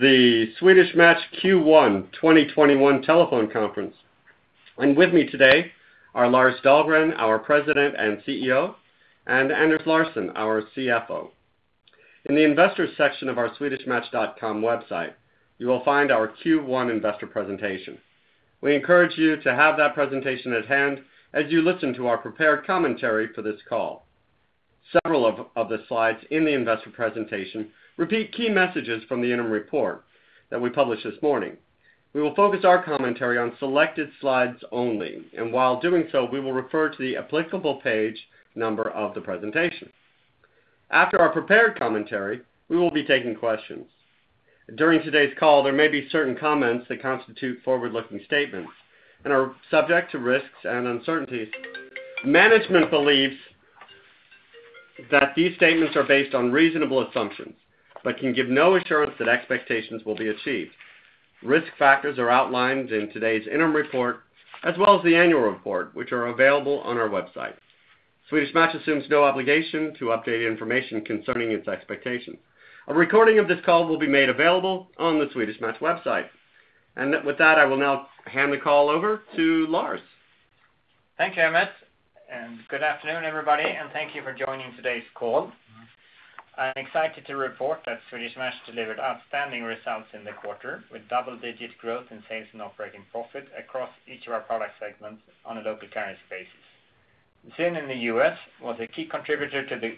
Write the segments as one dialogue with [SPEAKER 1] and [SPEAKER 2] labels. [SPEAKER 1] The Swedish Match Q1 2021 Telephone Conference. With me today are Lars Dahlgren, our President and CEO, and Anders Larsson, our CFO. In the investors section of our swedishmatch.com website, you will find our Q1 investor presentation. We encourage you to have that presentation at hand as you listen to our prepared commentary for this call. Several of the slides in the investor presentation repeat key messages from the interim report that we published this morning. We will focus our commentary on selected slides only, and while doing so, we will refer to the applicable page number of the presentation. After our prepared commentary, we will be taking questions. During today's call, there may be certain comments that constitute forward-looking statements and are subject to risks and uncertainties. Management believes that these statements are based on reasonable assumptions, but can give no assurance that expectations will be achieved. Risk factors are outlined in today's interim report as well as the annual report, which are available on our website. Swedish Match assumes no obligation to update information concerning its expectations. A recording of this call will be made available on the Swedish Match website. With that, I will now hand the call over to Lars.
[SPEAKER 2] Thank you, Emmett, and good afternoon, everybody, and thank you for joining today's call. I'm excited to report that Swedish Match delivered outstanding results in the quarter, with double-digit growth in sales and operating profit across each of our product segments on a local currency basis. ZYN in the U.S. was a key contributor to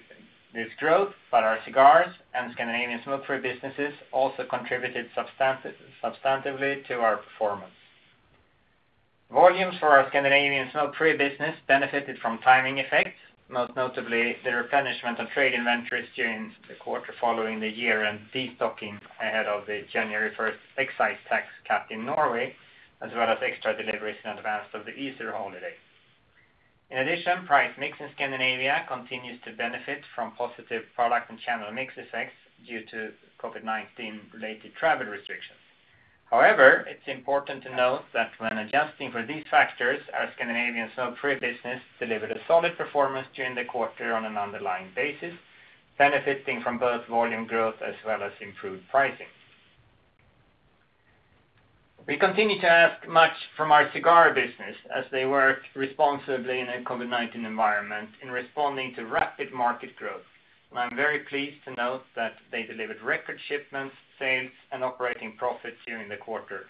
[SPEAKER 2] this growth, our cigars and Scandinavian smoke-free businesses also contributed substantively to our performance. Volumes for our Scandinavian smoke-free business benefited from timing effects, most notably the replenishment of trade inventories during the quarter following the year, and destocking ahead of the January 1st excise tax cut in Norway, as well as extra deliveries in advance of the Easter holiday. In addition, price mix in Scandinavia continues to benefit from positive product and channel mix effects due to COVID-19 related travel restrictions. However, it's important to note that when adjusting for these factors, our Scandinavian smoke-free business delivered a solid performance during the quarter on an underlying basis, benefiting from both volume growth as well as improved pricing. We continue to ask much from our cigar business as they work responsibly in a COVID-19 environment in responding to rapid market growth. I'm very pleased to note that they delivered record shipments, sales, and operating profits during the quarter.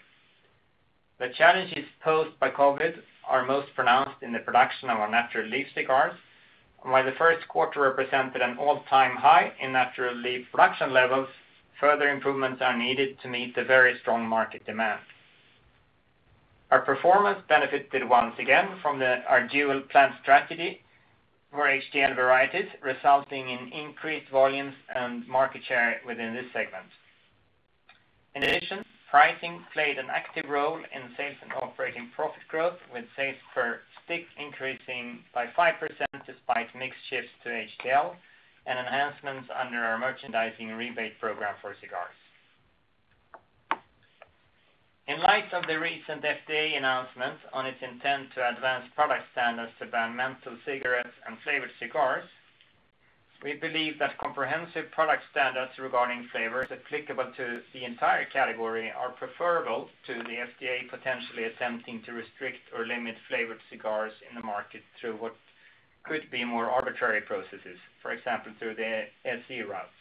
[SPEAKER 2] The challenges posed by COVID are most pronounced in the production of our natural leaf cigars, and while the first quarter represented an all-time high in natural leaf production levels, further improvements are needed to meet the very strong market demand. Our performance benefited once again from our dual plant strategy for HTL varieties, resulting in increased volumes and market share within this segment. In addition, pricing played an active role in sales and operating profit growth, with sales per stick increasing by 5% despite mix shifts to HTL and enhancements under our merchandising rebate program for cigars. In light of the recent FDA announcement on its intent to advance product standards to ban menthol cigarettes and flavored cigars, we believe that comprehensive product standards regarding flavors applicable to the entire category are preferable to the FDA potentially attempting to restrict or limit flavored cigars in the market through what could be more arbitrary processes, for example, through the SE route.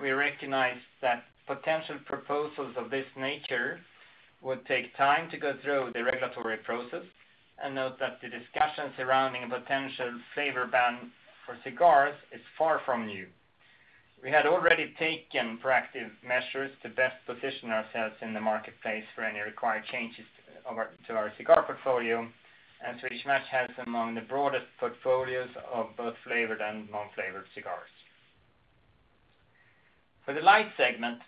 [SPEAKER 2] We recognize that potential proposals of this nature would take time to go through the regulatory process and note that the discussion surrounding a potential flavor ban for cigars is far from new. We had already taken proactive measures to best position ourselves in the marketplace for any required changes to our cigar portfolio. Swedish Match has among the broadest portfolios of both flavored and non-flavored cigars. For the Lights segment,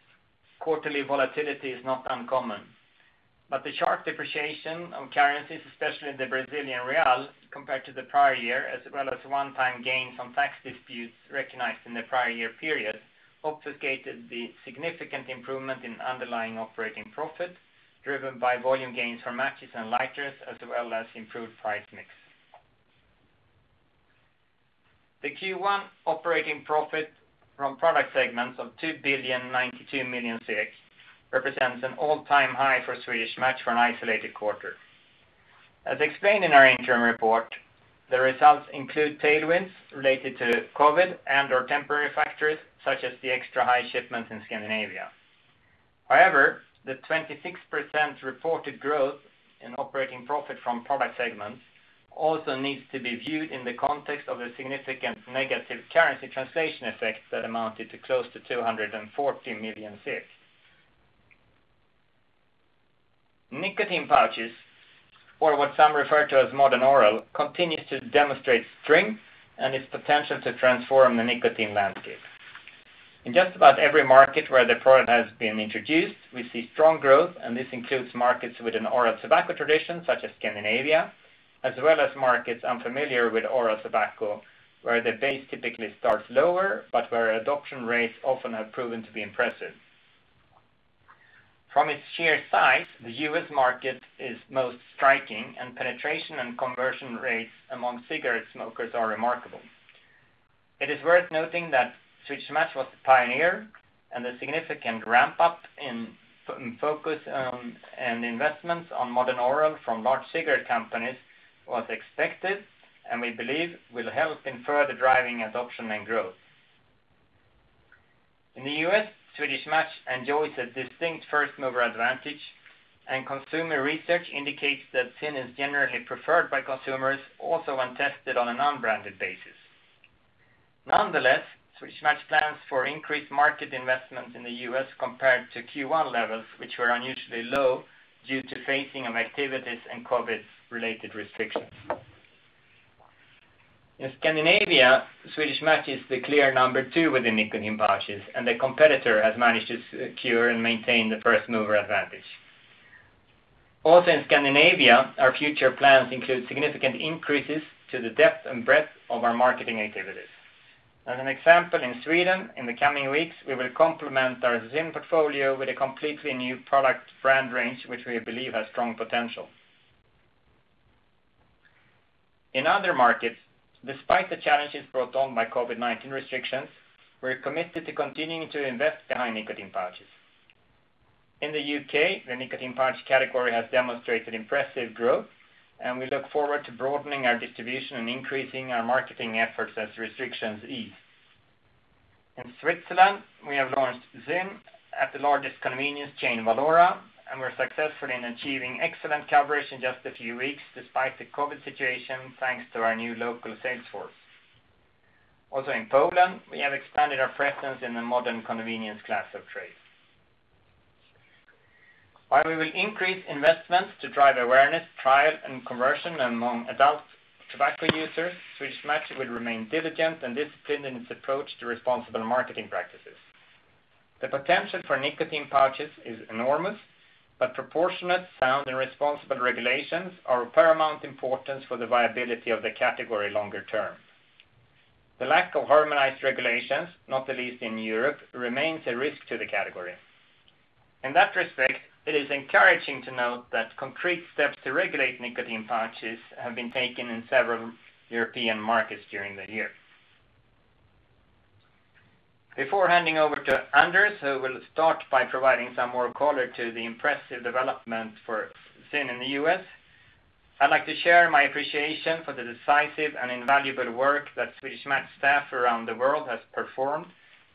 [SPEAKER 2] quarterly volatility is not uncommon, but the sharp depreciation of currencies, especially in the Brazilian real compared to the prior year, as well as one-time gains on tax disputes recognized in the prior year period, obfuscated the significant improvement in underlying operating profit driven by volume gains from matches and lighters, as well as improved price mix. The Q1 operating profit from product segments of 2,092,000,000 represents an all-time high for Swedish Match for an isolated quarter. As explained in our interim report, the results include tailwinds related to COVID and/or temporary factors such as the extra high shipments in Scandinavia. However, the 26% reported growth in operating profit from product segments also needs to be viewed in the context of the significant negative currency translation effects that amounted to close to 240 million. nicotine pouches, or what some refer to as modern oral, continues to demonstrate strength and its potential to transform the nicotine landscape. In just about every market where the product has been introduced, we see strong growth, and this includes markets with an oral tobacco tradition such as Scandinavia, as well as markets unfamiliar with oral tobacco, where the base typically starts lower but where adoption rates often have proven to be impressive. From its sheer size, the U.S. market is most striking, and penetration and conversion rates among cigarette smokers are remarkable. It is worth noting that Swedish Match was the pioneer and the significant ramp-up in focus and investments on modern oral from large cigarette companies was expected, and we believe will help in further driving adoption and growth. In the U.S., Swedish Match enjoys a distinct first-mover advantage, and consumer research indicates that ZYN is generally preferred by consumers also when tested on a non-branded basis. Nonetheless, Swedish Match plans for increased market investment in the U.S. compared to Q1 levels, which were unusually low due to phasing of activities and COVID-related restrictions. In Scandinavia, Swedish Match is the clear number two with nicotine pouches, and the competitor has managed to secure and maintain the first-mover advantage. Also in Scandinavia, our future plans include significant increases to the depth and breadth of our marketing activities. As an example, in Sweden, in the coming weeks, we will complement our ZYN portfolio with a completely new product brand range, which we believe has strong potential. In other markets, despite the challenges brought on by COVID-19 restrictions, we're committed to continuing to invest behind nicotine pouches. In the U.K., the nicotine pouch category has demonstrated impressive growth, and we look forward to broadening our distribution and increasing our marketing efforts as restrictions ease. In Switzerland, we have launched ZYN at the largest convenience chain, Valora, and we're successful in achieving excellent coverage in just a few weeks despite the COVID situation, thanks to our new local sales force. In Poland, we have expanded our presence in the modern convenience class of trade. While we will increase investments to drive awareness, trial, and conversion among adult tobacco users, Swedish Match will remain diligent and disciplined in its approach to responsible marketing practices. The potential for nicotine pouches is enormous, but proportionate, sound, and responsible regulations are of paramount importance for the viability of the category longer term. The lack of harmonized regulations, not the least in Europe, remains a risk to the category. In that respect, it is encouraging to note that concrete steps to regulate nicotine pouches have been taken in several European markets during the year. Before handing over to Anders, who will start by providing some more color to the impressive development for ZYN in the U.S., I'd like to share my appreciation for the decisive and invaluable work that Swedish Match staff around the world has performed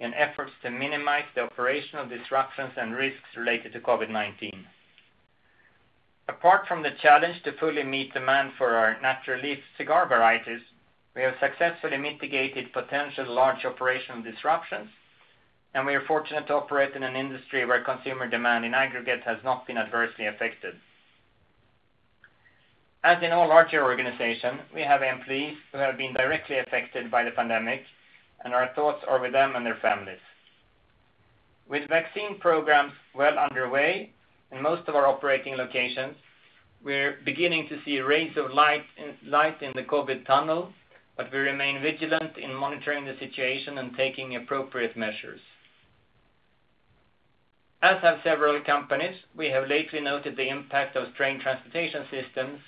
[SPEAKER 2] in efforts to minimize the operational disruptions and risks related to COVID-19. Apart from the challenge to fully meet demand for our natural leaf cigar varieties, we have successfully mitigated potential large operational disruptions. We are fortunate to operate in an industry where consumer demand in aggregate has not been adversely affected. As in all larger organizations, we have employees who have been directly affected by the pandemic. Our thoughts are with them and their families. With vaccine programs well underway in most of our operating locations, we're beginning to see rays of light in the COVID tunnel. We remain vigilant in monitoring the situation and taking appropriate measures. As have several companies, we have lately noted the impact of strained transportation systems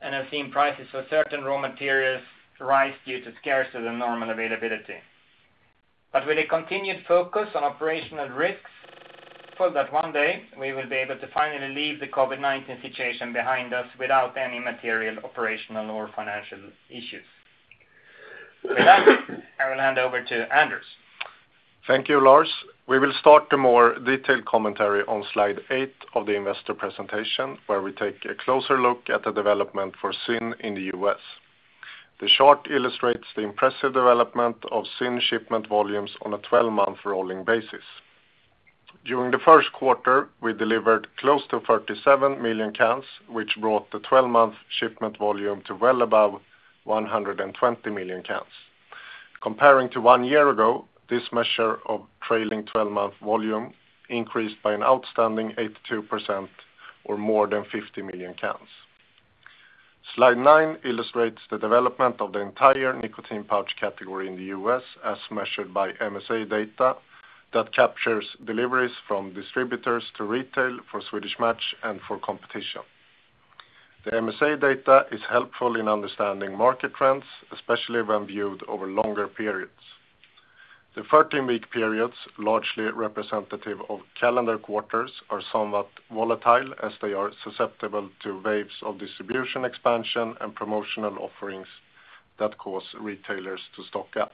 [SPEAKER 2] and have seen prices for certain raw materials rise due to scarcer than normal availability. With a continued focus on operational risks, we are hopeful that one day we will be able to finally leave the COVID-19 situation behind us without any material operational or financial issues. With that, I will hand over to Anders.
[SPEAKER 3] Thank you, Lars. We will start the more detailed commentary on slide eight of the investor presentation, where we take a closer look at the development for ZYN in the U.S. The chart illustrates the impressive development of ZYN shipment volumes on a 12-month rolling basis. During the first quarter, we delivered close to 37 million cans, which brought the 12-month shipment volume to well above 120 million cans. Comparing to one year ago, this measure of trailing 12-month volume increased by an outstanding 82% or more than 50 million cans. Slide nine illustrates the development of the entire nicotine pouch category in the U.S. as measured by MSA data that captures deliveries from distributors to retail for Swedish Match and for competition. The MSA data is helpful in understanding market trends, especially when viewed over longer periods. The 13-week periods, largely representative of calendar quarters, are somewhat volatile as they are susceptible to waves of distribution expansion and promotional offerings that cause retailers to stock up.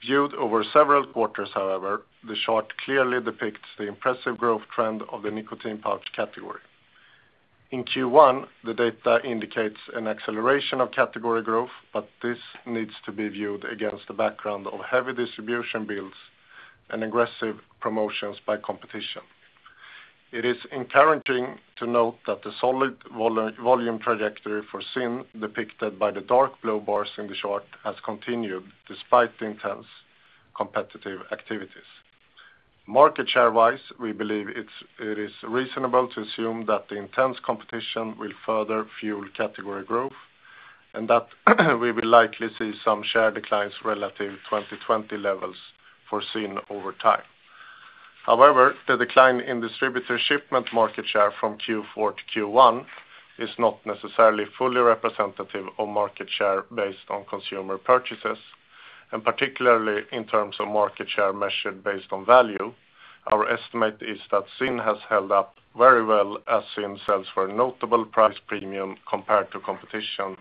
[SPEAKER 3] Viewed over several quarters, however, the chart clearly depicts the impressive growth trend of the nicotine pouch category. In Q1, the data indicates an acceleration of category growth, but this needs to be viewed against the background of heavy distribution builds and aggressive promotions by competition. It is encouraging to note that the solid volume trajectory for ZYN depicted by the dark blue bars in the chart has continued despite the intense competitive activities. Market share-wise, we believe it is reasonable to assume that the intense competition will further fuel category growth. That we will likely see some share declines relative 2020 levels for ZYN over time. However, the decline in distributor shipment market share from Q4 to Q1 is not necessarily fully representative of market share based on consumer purchases, and particularly in terms of market share measured based on value. Our estimate is that ZYN has held up very well as ZYN sells for a notable price premium compared to competition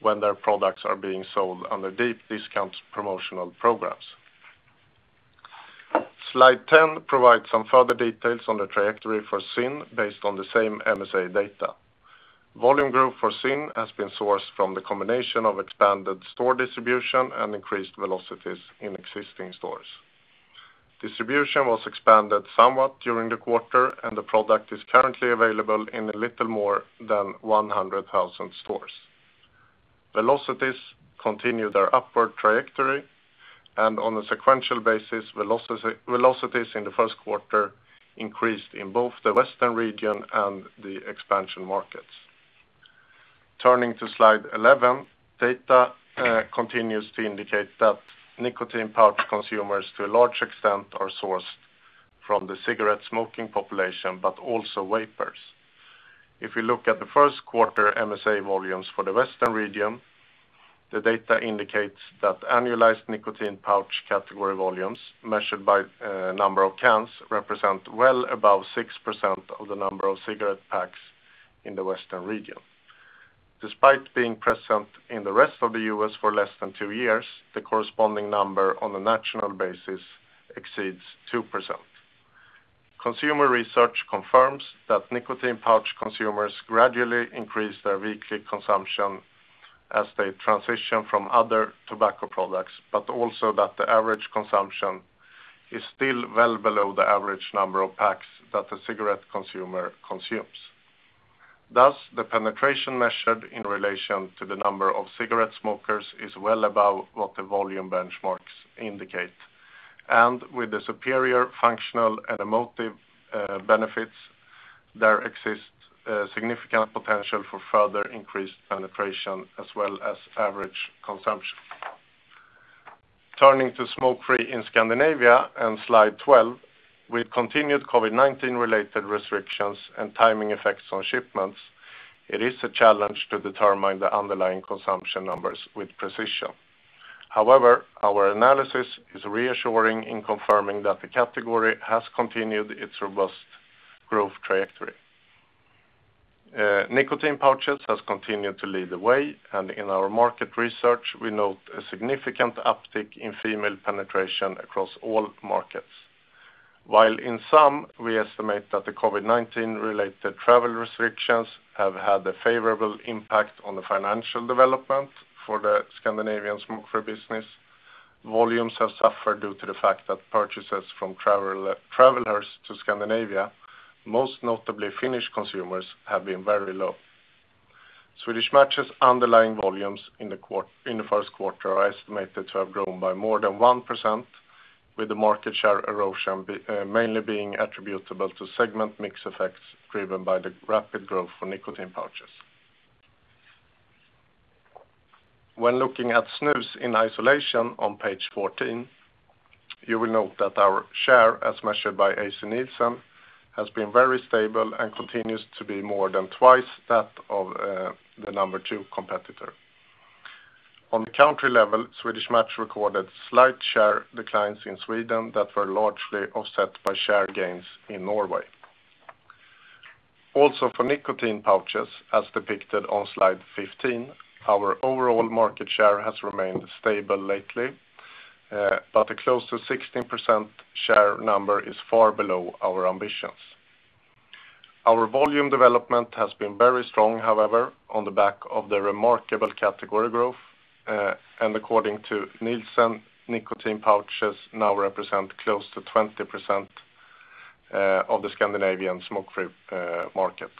[SPEAKER 3] when their products are being sold under deep discounts promotional programs. Slide 10 provides some further details on the trajectory for ZYN based on the same MSA data. Volume growth for ZYN has been sourced from the combination of expanded store distribution and increased velocities in existing stores. Distribution was expanded somewhat during the quarter, and the product is currently available in a little more than 100,000 stores. Velocities continue their upward trajectory, and on a sequential basis, velocities in the first quarter increased in both the Western region and the expansion markets. Turning to slide 11, data continues to indicate that nicotine pouch consumers, to a large extent, are sourced from the cigarette smoking population, but also vapers. If we look at the first quarter MSA volumes for the Western region, the data indicates that annualized nicotine pouch category volumes measured by number of cans represent well above 6% of the number of cigarette packs in the Western region. Despite being present in the rest of the U.S. for less than two years, the corresponding number on a national basis exceeds 2%. Consumer research confirms that nicotine pouch consumers gradually increase their weekly consumption as they transition from other tobacco products, but also that the average consumption is still well below the average number of packs that a cigarette consumer consumes. Thus, the penetration measured in relation to the number of cigarette smokers is well above what the volume benchmarks indicate. With the superior functional and emotive benefits, there exists significant potential for further increased penetration as well as average consumption. Turning to smoke-free in Scandinavia on slide 12, with continued COVID-19 related restrictions and timing effects on shipments, it is a challenge to determine the underlying consumption numbers with precision. However, our analysis is reassuring in confirming that the category has continued its robust growth trajectory. Nicotine pouches has continued to lead the way, and in our market research, we note a significant uptick in female penetration across all markets. While in some we estimate that the COVID-19 related travel restrictions have had a favorable impact on the financial development for the Scandinavian smoke-free business, volumes have suffered due to the fact that purchases from travelers to Scandinavia, most notably Finnish consumers, have been very low. Swedish Match's underlying volumes in the first quarter are estimated to have grown by more than 1%, with the market share erosion mainly being attributable to segment mix effects driven by the rapid growth for nicotine pouches. When looking at snus in isolation on page 14, you will note that our share, as measured by ACNielsen, has been very stable and continues to be more than twice that of the number two competitor. On the country level, Swedish Match recorded slight share declines in Sweden that were largely offset by share gains in Norway. Also, for nicotine pouches, as depicted on slide 15, our overall market share has remained stable lately, but a close to 16% share number is far below our ambitions. Our volume development has been very strong, however, on the back of the remarkable category growth, and according to Nielsen, nicotine pouches now represent close to 20% of the Scandinavian smoke-free market.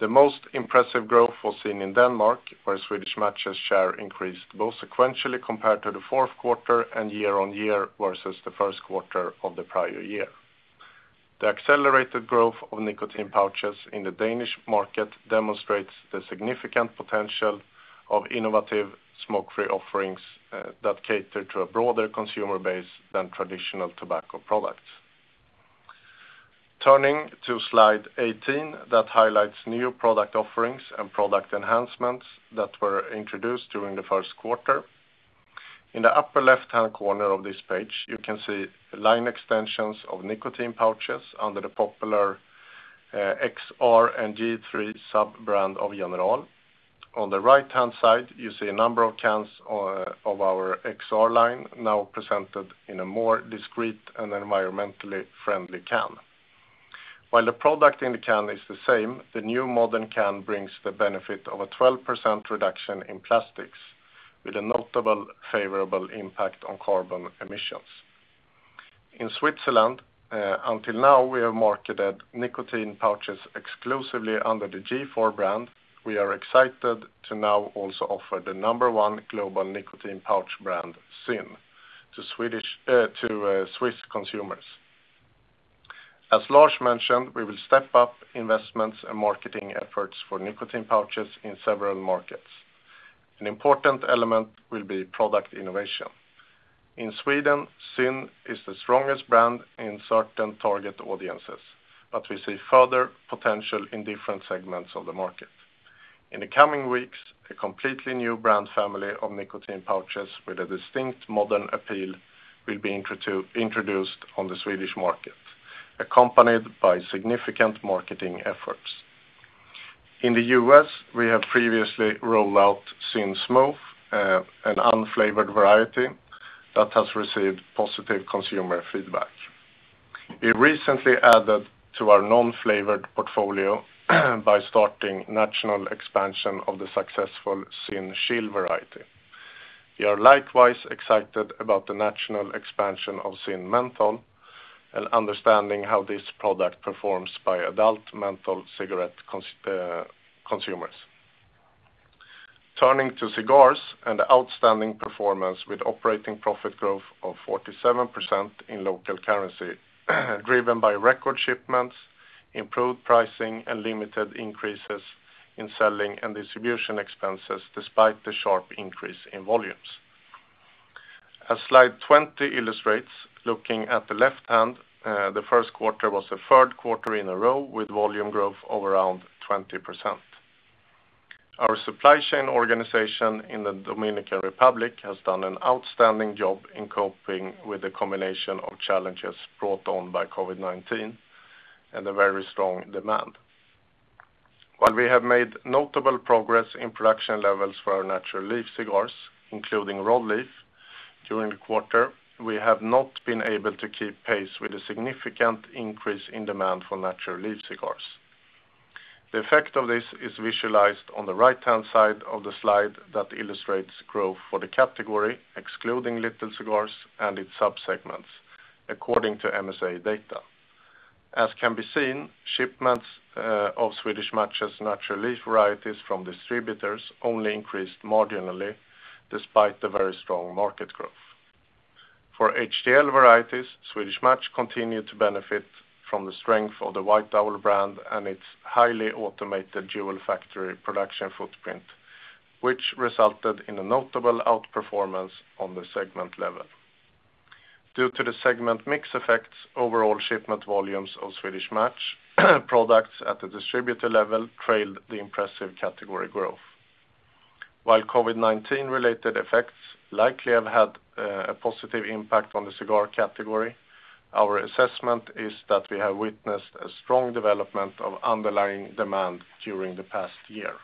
[SPEAKER 3] The most impressive growth was seen in Denmark, where Swedish Match's share increased both sequentially compared to the fourth quarter and year-on-year versus the first quarter of the prior year. The accelerated growth of nicotine pouches in the Danish market demonstrates the significant potential of innovative smoke-free offerings that cater to a broader consumer base than traditional tobacco products. Turning to slide 18, that highlights new product offerings and product enhancements that were introduced during the first quarter. In the upper left-hand corner of this page, you can see line extensions of nicotine pouches under the popular XR and G.3 sub-brand of General. On the right-hand side, you see a number of cans of our XR line now presented in a more discreet and environmentally friendly can. While the product in the can is the same, the new modern can brings the benefit of a 12% reduction in plastics with a notable favorable impact on carbon emissions. In Switzerland, until now, we have marketed nicotine pouches exclusively under the G.4 brand. We are excited to now also offer the number one global nicotine pouch brand, ZYN, to Swiss consumers. As Lars mentioned, we will step up investments and marketing efforts for nicotine pouches in several markets. An important element will be product innovation. In Sweden, ZYN is the strongest brand in certain target audiences, but we see further potential in different segments of the market. In the coming weeks, a completely new brand family of nicotine pouches with a distinct modern appeal will be introduced on the Swedish market, accompanied by significant marketing efforts. In the U.S., we have previously rolled out ZYN Smooth, an unflavored variety that has received positive consumer feedback. We recently added to our non-flavored portfolio by starting national expansion of the successful ZYN Chill variety. We are likewise excited about the national expansion of ZYN Menthol and understanding how this product performs by adult menthol cigarette consumers. Turning to cigars and outstanding performance with operating profit growth of 47% in local currency, driven by record shipments, improved pricing, and limited increases in selling and distribution expenses, despite the sharp increase in volumes. As slide 20 illustrates, looking at the left hand, the first quarter was the third quarter in a row with volume growth of around 20%. Our supply chain organization in the Dominican Republic has done an outstanding job in coping with the combination of challenges brought on by COVID-19 and a very strong demand. While we have made notable progress in production levels for our natural leaf cigars, including roll-leaf, during the quarter, we have not been able to keep pace with the significant increase in demand for natural leaf cigars. The effect of this is visualized on the right-hand side of the slide that illustrates growth for the category, excluding little cigars and its sub-segments according to MSA data. As can be seen, shipments of Swedish Match's natural leaf varieties from distributors only increased marginally despite the very strong market growth. For HTL varieties, Swedish Match continued to benefit from the strength of the White Owl brand and its highly automated dual factory production footprint, which resulted in a notable outperformance on the segment level. Due to the segment mix effects, overall shipment volumes of Swedish Match products at the distributor level trailed the impressive category growth. While COVID-19 related effects likely have had a positive impact on the cigar category, our assessment is that we have witnessed a strong development of underlying demand during the past year.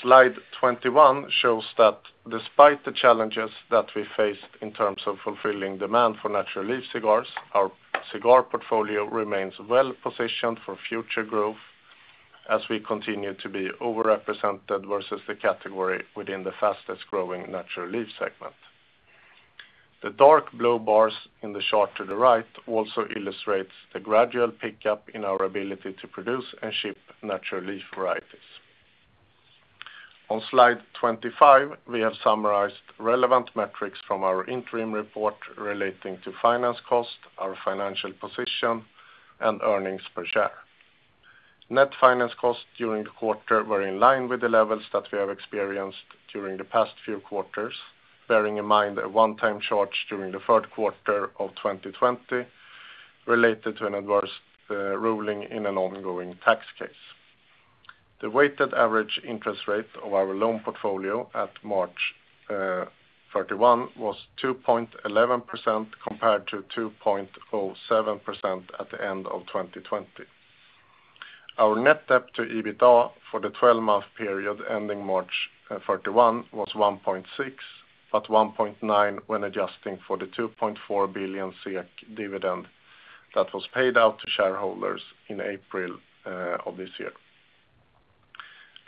[SPEAKER 3] Slide 21 shows that despite the challenges that we faced in terms of fulfilling demand for natural leaf cigars, our cigar portfolio remains well-positioned for future growth as we continue to be over-represented versus the category within the fastest-growing natural leaf segment. The dark blue bars in the chart to the right also illustrates the gradual pickup in our ability to produce and ship natural leaf varieties. On slide 25, we have summarized relevant metrics from our interim report relating to finance cost, our financial position, and earnings per share. Net finance costs during the quarter were in line with the levels that we have experienced during the past few quarters, bearing in mind a one-time charge during the third quarter of 2020 related to an adverse ruling in an ongoing tax case. The weighted average interest rate of our loan portfolio at March 31 was 2.11% compared to 2.07% at the end of 2020. Our net debt to EBITDA for the 12-month period ending March 31 was 1.6, but 1.9 when adjusting for the 2.4 billion SEK dividend that was paid out to shareholders in April of this year.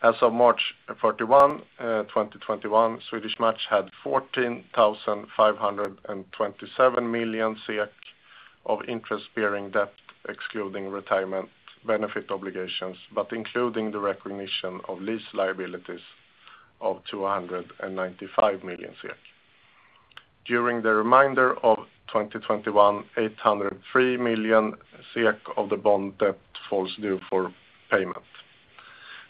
[SPEAKER 3] As of March 31, 2021, Swedish Match had 14,527 million of interest-bearing debt, excluding retirement benefit obligations, but including the recognition of lease liabilities of 295 million SEK. During the remainder of 2021, 803 million SEK of the bond debt falls due for payment.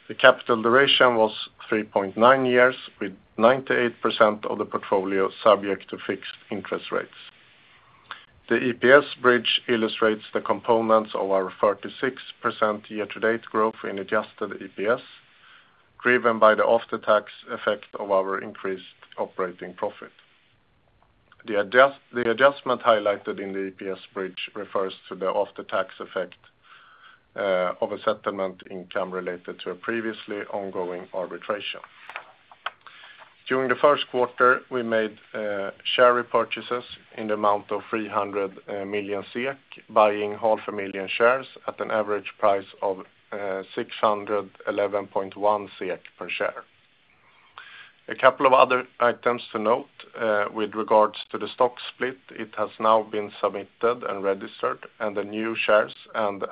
[SPEAKER 3] The capital duration was 3.9 years, with 98% of the portfolio subject to fixed interest rates. The EPS bridge illustrates the components of our 36% year-to-date growth in adjusted EPS, driven by the after-tax effect of our increased operating profit. The adjustment highlighted in the EPS bridge refers to the after-tax effect of a settlement income related to a previously ongoing arbitration. During the first quarter, we made share repurchases in the amount of 300 million SEK, buying 500,000 shares at an average price of 611.1 SEK per share. A couple of other items to note with regards to the stock split, it has now been submitted and registered, and the new shares and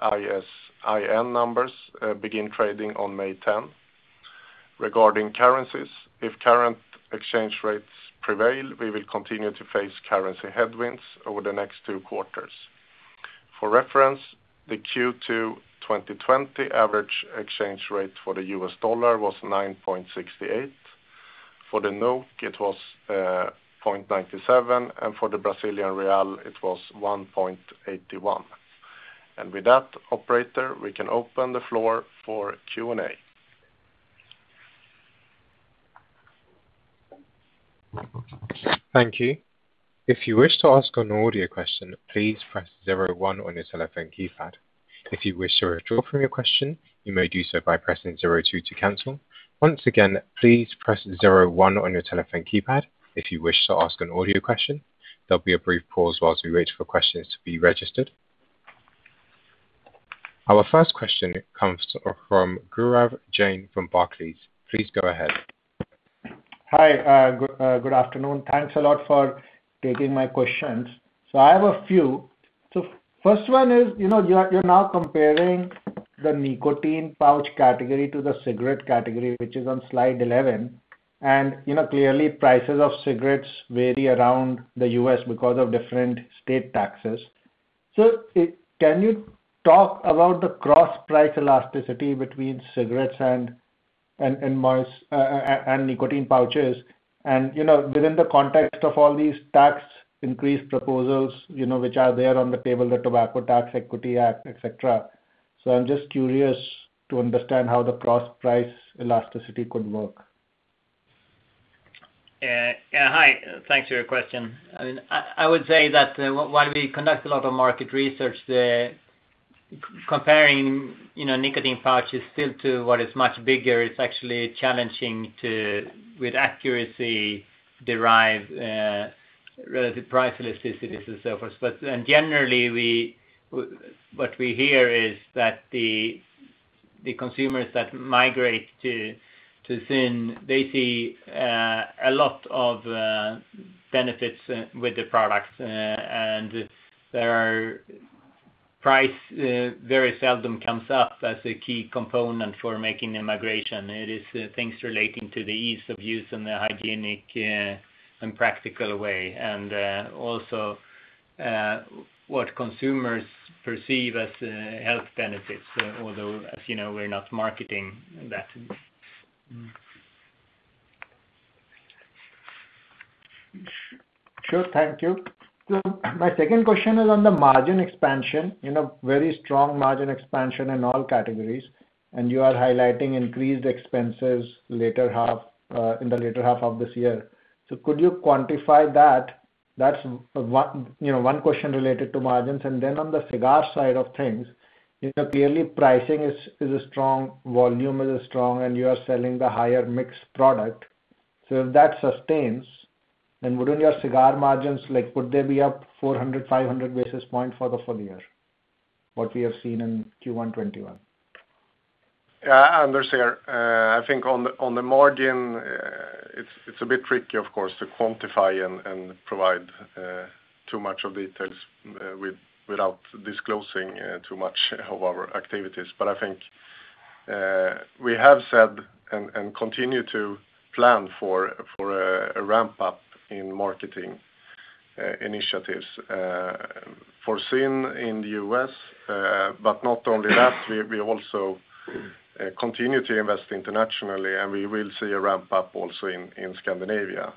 [SPEAKER 3] ISIN numbers begin trading on May 10. Regarding currencies, if current exchange rates prevail, we will continue to face currency headwinds over the next two quarters. For reference, the Q2 2020 average exchange rate for the U.S. dollar was $9.68. For the NOK, it was 0.97, and for the Brazilian real, it was 1.81. With that, operator, we can open the floor for Q&A.
[SPEAKER 4] Thank you. If you wish to ask an audio question, please press zero one on your telephone keypad. If you wish to withdraw from your question, you may do so by pressing zero two to cancel. Once again, please press zero one on your telephone keypad if you wish to ask an audio question. There will be a brief pause whilst we wait for questions to be registered. Our first question comes from Gaurav Jain from Barclays. Please go ahead.
[SPEAKER 5] Hi. Good afternoon. Thanks a lot for taking my questions. I have a few. First one is, you're now comparing the nicotine pouch category to the cigarette category, which is on slide 11, and clearly, prices of cigarettes vary around the U.S. because of different state taxes. Can you talk about the cross-price elasticity between cigarettes and nicotine pouches? Within the context of all these tax increase proposals which are there on the table, the Tobacco Tax Equity Act, et cetera. I'm just curious to understand how the cross-price elasticity could work.
[SPEAKER 2] Yeah. Hi. Thanks for your question. I would say that while we conduct a lot of market research, comparing nicotine pouches still to what is much bigger, it's actually challenging to, with accuracy, derive relative price elasticities and so forth. Generally, what we hear is that the consumers that migrate to ZYN, they see a lot of benefits with the products, and price very seldom comes up as a key component for making the migration. It is things relating to the ease of use in a hygienic and practical way. Also what consumers perceive as health benefits, although, as you know, we're not marketing that.
[SPEAKER 5] Sure. Thank you. My second question is on the margin expansion, very strong margin expansion in all categories, and you are highlighting increased expenses in the later half of this year. Could you quantify that? That's one question related to margins. On the cigar side of things, clearly pricing is strong, volume is strong, and you are selling the higher mixed product. If that sustains, within your cigar margins, would they be up 400, 500 basis points for the full year, what we have seen in Q1 2021?
[SPEAKER 3] Yeah, Anders here. I think on the margin, it's a bit tricky, of course, to quantify and provide too much of details without disclosing too much of our activities. I think we have said and continue to plan for a ramp-up in marketing initiatives for ZYN in the U.S. Not only that, we also continue to invest internationally, and we will see a ramp-up also in Scandinavia.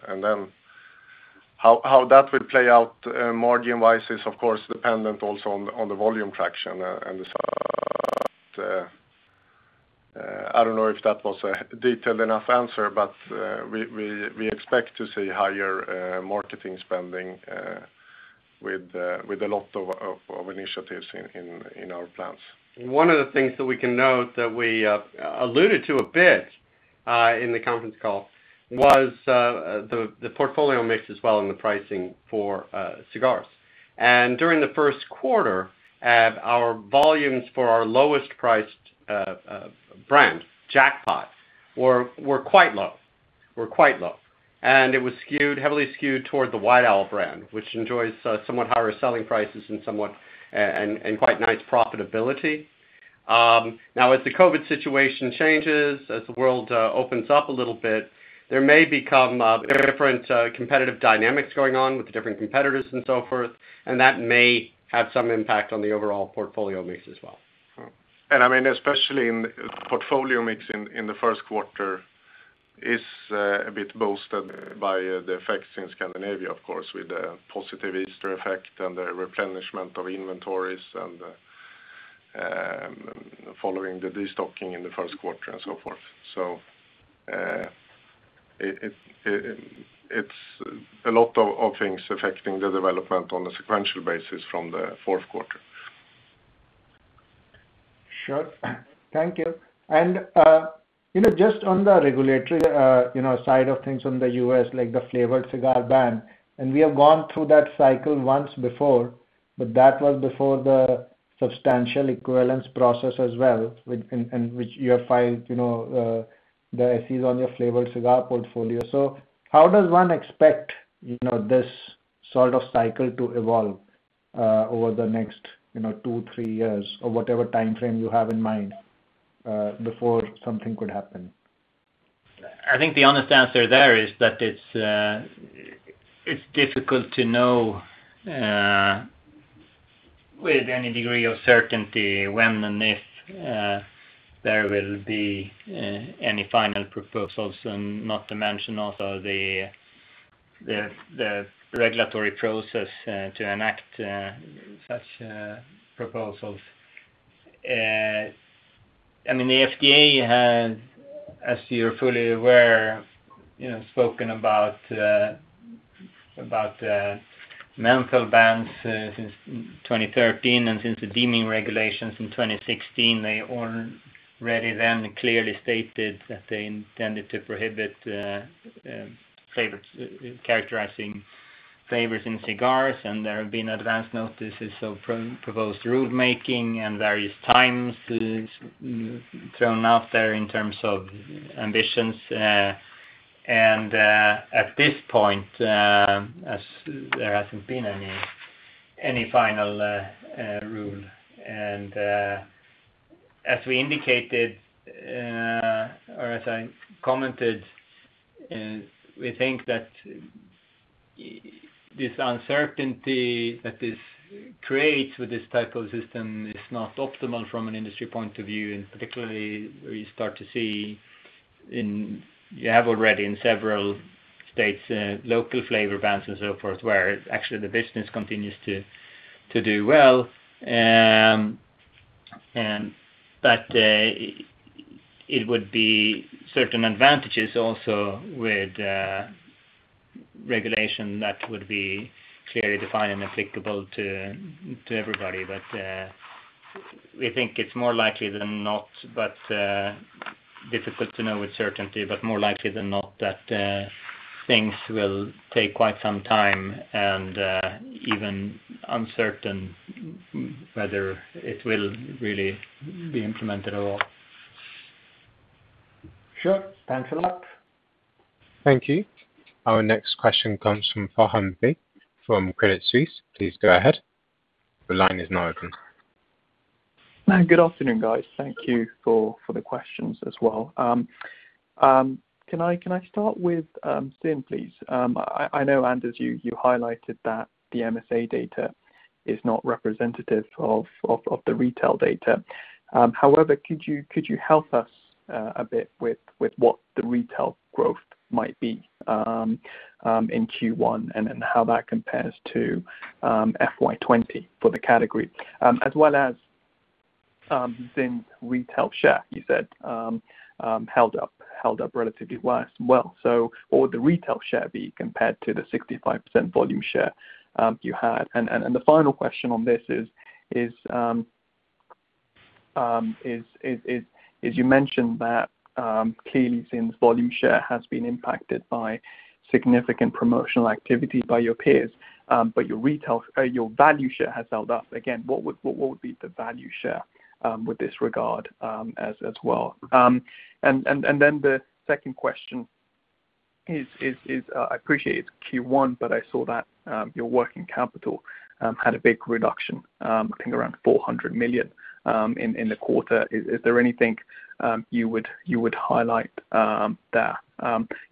[SPEAKER 3] How that will play out margin-wise is, of course, dependent also on the volume traction. I don't know if that was a detailed enough answer, but we expect to see higher marketing spending with a lot of initiatives in our plans.
[SPEAKER 1] One of the things that we can note that we alluded to a bit in the conference call was the portfolio mix as well, and the pricing for cigars. During the first quarter, our volumes for our lowest priced brand, Jackpot, were quite low. It was heavily skewed toward the White Owl brand, which enjoys somewhat higher selling prices and quite nice profitability. Now, as the COVID situation changes, as the world opens up a little bit, there may become different competitive dynamics going on with the different competitors and so forth, and that may have some impact on the overall portfolio mix as well.
[SPEAKER 3] Especially in portfolio mix in the first quarter is a bit boosted by the effects in Scandinavia, of course, with the positive Easter effect and the replenishment of inventories and following the destocking in the first quarter and so forth. It's a lot of things affecting the development on a sequential basis from the fourth quarter.
[SPEAKER 5] Sure. Thank you. Just on the regulatory side of things on the U.S., like the flavored cigar ban, we have gone through that cycle once before, but that was before the Substantial Equivalence process as well, which you have filed the SEs on your flavored cigar portfolio. How does one expect this sort of cycle to evolve? Over the next two, three years or whatever timeframe you have in mind before something could happen?
[SPEAKER 2] I think the honest answer there is that it's difficult to know with any degree of certainty when and if there will be any final proposals, not to mention also the regulatory process to enact such proposals. The FDA has, as you're fully aware, spoken about menthol bans since 2013, and since the deeming regulations in 2016, they already then clearly stated that they intended to prohibit characterizing flavors in cigars. There have been advanced notices of proposed rulemaking and various times thrown out there in terms of ambitions. At this point, there hasn't been any final rule. As we indicated, or as I commented, we think that this uncertainty that this creates with this type of system is not optimal from an industry point of view. Particularly, we start to see in, you have already in several states, local flavor bans and so forth, where actually the business continues to do well. It would be certain advantages also with regulation that would be clearly defined and applicable to everybody. We think it's more likely than not, but difficult to know with certainty, but more likely than not, that things will take quite some time and even uncertain whether it will really be implemented at all.
[SPEAKER 5] Sure. Thanks a lot.
[SPEAKER 4] Thank you. Our next question comes from Faham Baig from Credit Suisse. Please go ahead.
[SPEAKER 6] Good afternoon, guys. Thank you for the questions as well. Can I start with ZYN, please? I know, Anders, you highlighted that the MSA data is not representative of the retail data. However, could you help us a bit with what the retail growth might be in Q1 and then how that compares to FY 2020 for the category? As well as ZYN retail share, you said held up relatively well. What would the retail share be compared to the 65% volume share you had? The final question on this is, you mentioned that clearly ZYN's volume share has been impacted by significant promotional activities by your peers, but your value share has held up. Again, what would be the value share with this regard as well? The second question is, I appreciate it's Q1, but I saw that your working capital had a big reduction, I think around 400 million in the quarter. Is there anything you would highlight there?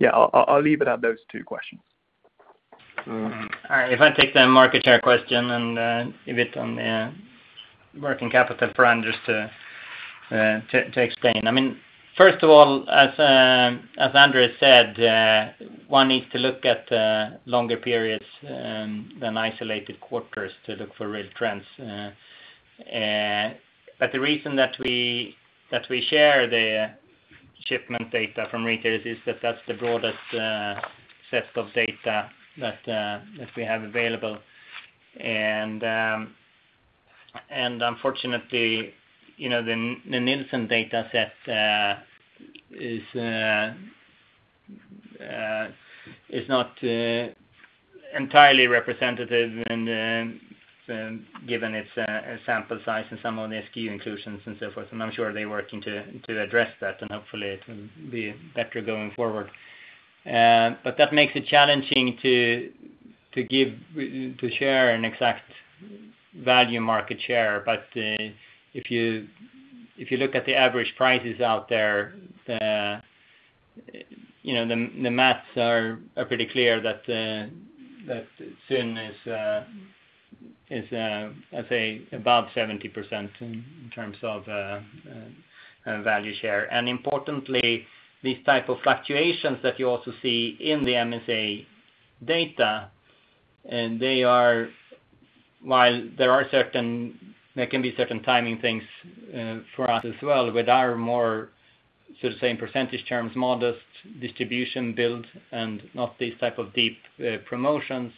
[SPEAKER 6] I'll leave it at those two questions.
[SPEAKER 2] All right. If I take the market share question and give it on the working capital front just to explain. First of all, as Anders said, one needs to look at longer periods than isolated quarters to look for real trends. The reason that we share the shipment data from retailers is that that's the broadest set of data that we have available. Unfortunately, the Nielsen data set is not entirely representative, given its sample size and some of the SKU inclusions and so forth, and I'm sure they're working to address that, and hopefully it will be better going forward. That makes it challenging to share an exact value market share. If you look at the average prices out there, the maths are pretty clear that ZYN is, let's say, above 70% in terms of value share. Importantly, these type of fluctuations that you also see in the MSA data, and while there can be certain timing things for us as well with our more, so to say, in percentage terms, modest distribution build and not these type of deep promotions,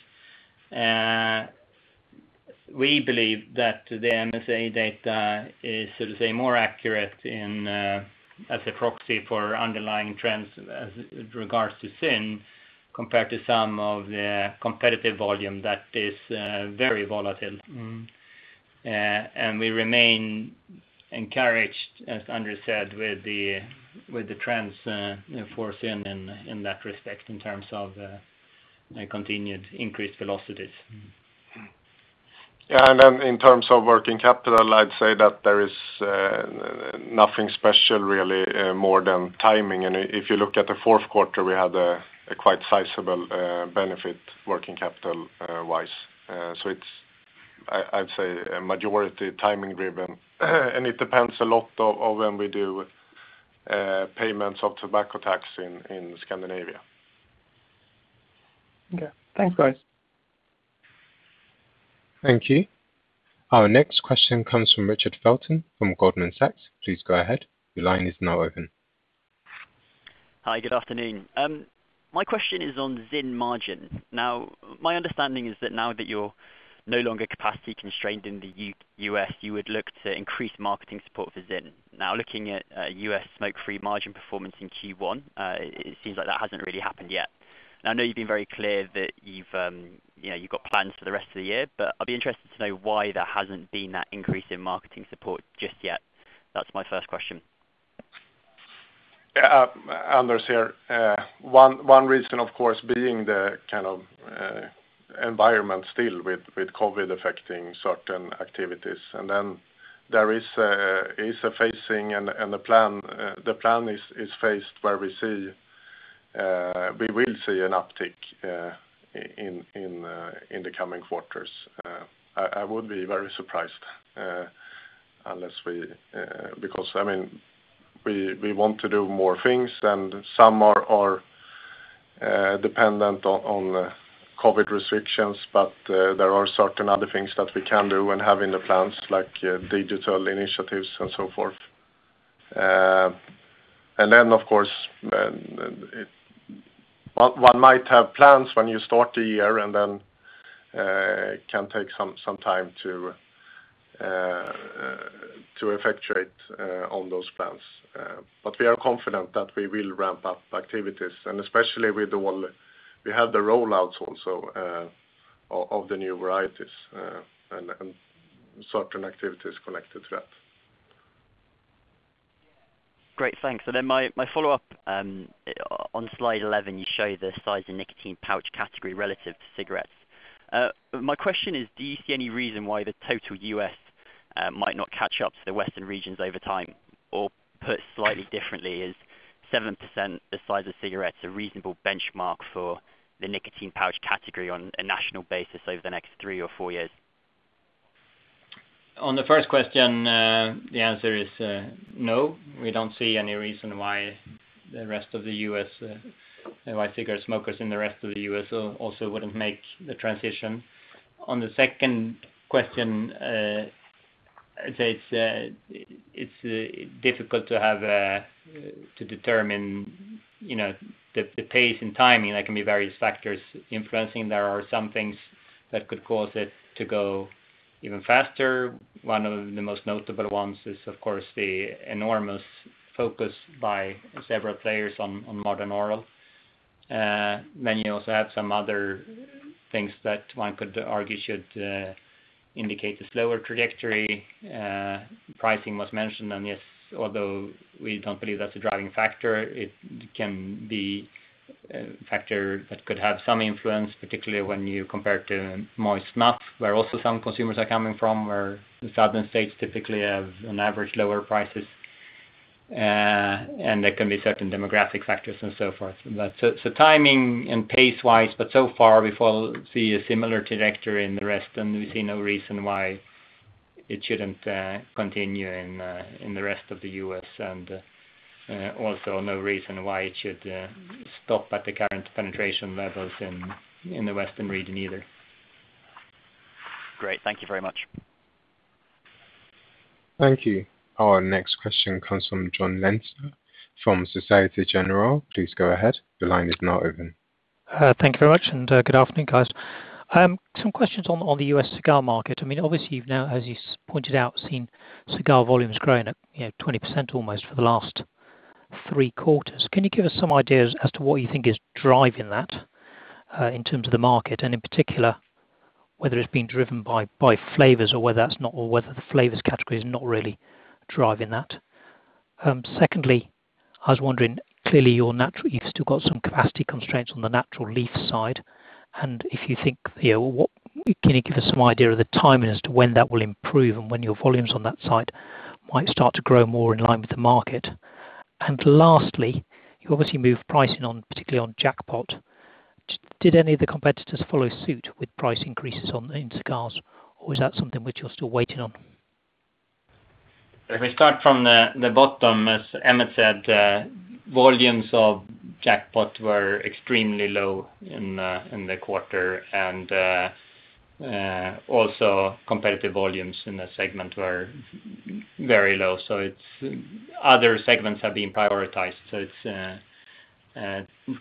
[SPEAKER 2] we believe that the MSA data is, so to say, more accurate as a proxy for underlying trends as regards to ZYN compared to some of the competitive volume that is very volatile. We remain encouraged, as Anders said, with the trends for ZYN in that respect, in terms of continued increased velocities.
[SPEAKER 3] In terms of working capital, I'd say that there is nothing special really, more than timing. If you look at the fourth quarter, we had a quite sizable benefit working capital-wise. It's, I'd say, a majority timing driven. It depends a lot on when we do payments of tobacco tax in Scandinavia.
[SPEAKER 6] Okay. Thanks, guys.
[SPEAKER 4] Thank you. Our next question comes from Richard Felton from Goldman Sachs. Please go ahead. Your line is now open.
[SPEAKER 7] Hi, good afternoon. My question is on ZYN margin. Now, my understanding is that now that you're no longer capacity constrained in the U.S., you would look to increase marketing support for ZYN. Now, looking at U.S. smoke-free margin performance in Q1, it seems like that hasn't really happened yet. Now, I know you've been very clear that you've got plans for the rest of the year, but I'd be interested to know why there hasn't been that increase in marketing support just yet. That's my first question.
[SPEAKER 3] Yeah. Anders here. One reason, of course, being the environment still with COVID affecting certain activities. There is a phasing and the plan is phased where we will see an uptick in the coming quarters. I would be very surprised, because we want to do more things and some are dependent on COVID restrictions. There are certain other things that we can do and have in the plans, like digital initiatives and so forth. Of course, one might have plans when you start the year and then it can take some time to effectuate on those plans. We are confident that we will ramp up activities, and especially with the one we have the roll-outs also of the new varieties, and certain activities connected to that.
[SPEAKER 7] Great. Thanks. My follow-up, on slide 11, you show the size of nicotine pouch category relative to cigarettes. My question is, do you see any reason why the total U.S. might not catch up to the Western regions over time? Put slightly differently, is 7% the size of cigarettes a reasonable benchmark for the nicotine pouch category on a national basis over the next three or four years?
[SPEAKER 2] On the first question, the answer is no. We don't see any reason why cigarette smokers in the rest of the U.S. also wouldn't make the transition. On the second question, I'd say it's difficult to determine the pace and timing. That can be various factors influencing. There are some things that could cause it to go even faster. One of the most notable ones is, of course, the enormous focus by several players on modern oral. You also have some other things that one could argue should indicate a slower trajectory. Pricing was mentioned, and yes, although we don't believe that's a driving factor, it can be a factor that could have some influence, particularly when you compare to moist snuff, where also some consumers are coming from, where the southern states typically have, on average, lower prices. There can be certain demographic factors and so forth. Timing and pace-wise, but so far we see a similar trajectory in the rest, and we see no reason why it shouldn't continue in the rest of the U.S., and also no reason why it should stop at the current penetration levels in the Western region either.
[SPEAKER 7] Great. Thank you very much.
[SPEAKER 4] Thank you. Our next question comes from Jon Leinster from Société Générale. Please go ahead. Your line is now open.
[SPEAKER 8] Thank you very much, and good afternoon, guys. Some questions on the U.S. cigar market. Obviously, you've now, as you pointed out, seen cigar volumes growing at 20% almost for the last three quarters. Can you give us some ideas as to what you think is driving that in terms of the market, and in particular, whether it's being driven by flavors or whether the flavors category is not really driving that? Secondly, I was wondering, clearly you've still got some capacity constraints on the natural leaf side, and if you think, can you give us some idea of the timing as to when that will improve and when your volumes on that side might start to grow more in line with the market? Lastly, you obviously moved pricing particularly on Jackpot. Did any of the competitors follow suit with price increases in cigars, or is that something which you're still waiting on?
[SPEAKER 2] If we start from the bottom, as Emmett said, volumes of Jackpot were extremely low in the quarter. Also competitive volumes in the segment were very low. Other segments have been prioritized. It's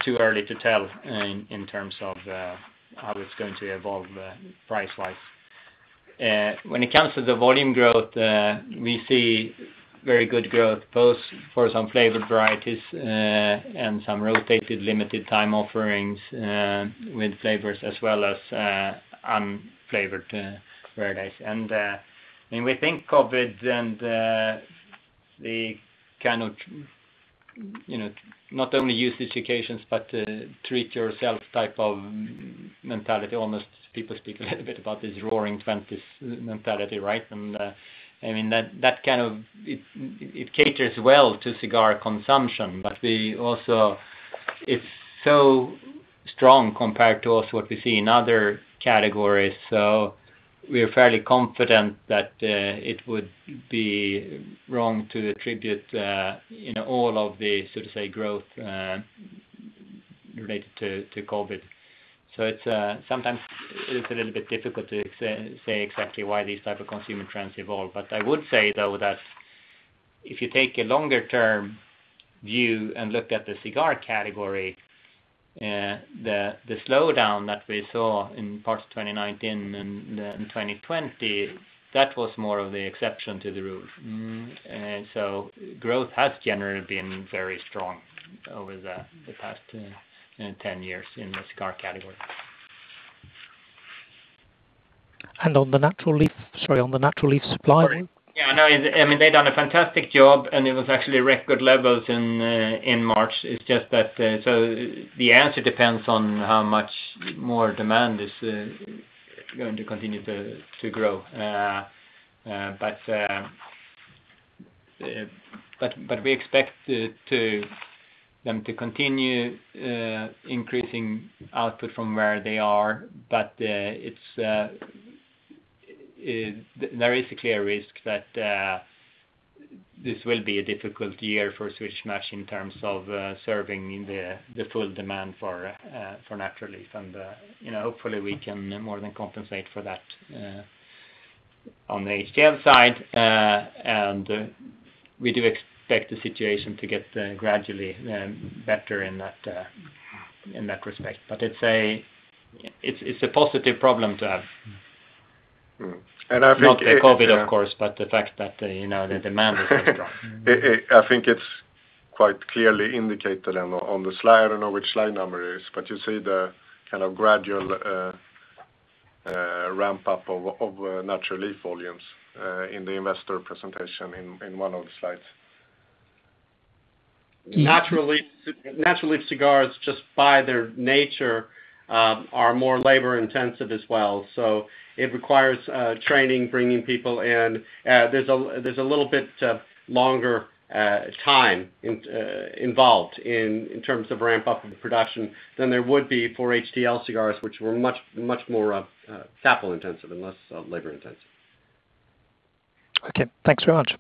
[SPEAKER 2] too early to tell in terms of how it's going to evolve price-wise. When it comes to the volume growth, we see very good growth both for some flavored varieties and some rotated limited time offerings with flavors as well as unflavored varieties. When we think COVID and the kind of not only usage occasions, but treat yourself type of mentality, almost people speak a little bit about this Roaring Twenties mentality, right? It caters well to cigar consumption. It's so strong compared to what we see in other categories. We are fairly confident that it would be wrong to attribute all of the, so to say, growth related to COVID. It's a little bit difficult to say exactly why these types of consumer trends evolve. I would say, though, that if you take a longer-term view and look at the cigar category, the slowdown that we saw in parts of 2019 and 2020, that was more of the exception to the rule. Growth has generally been very strong over the past 10 years in the cigar category.
[SPEAKER 8] On the natural leaf supply?
[SPEAKER 2] Yeah, no, they've done a fantastic job, and it was actually record levels in March. It's just that the answer depends on how much more demand is going to continue to grow. We expect them to continue increasing output from where they are. There is a clear risk that this will be a difficult year for Swedish Match in terms of serving the full demand for natural leaf. Hopefully, we can more than compensate for that on the HTL side, and we do expect the situation to get gradually better in that respect. It's a positive problem to have.
[SPEAKER 3] And I think-
[SPEAKER 2] Not the COVID, of course, but the fact that the demand is so strong.
[SPEAKER 3] I think it's quite clearly indicated on the slide. I don't know which slide number it is. You see the kind of gradual ramp-up of natural leaf volumes in the investor presentation in one of the slides.
[SPEAKER 1] Natural leaf cigars, just by their nature, are more labor-intensive as well. It requires training, bringing people in. There's a little bit longer time involved in terms of ramp-up of the production than there would be for HTL cigars, which were much more capital-intensive and less labor-intensive.
[SPEAKER 8] Okay, thanks very much.